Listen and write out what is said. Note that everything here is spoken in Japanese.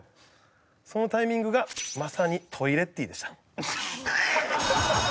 そのタイミングがまさにトイレッティでした。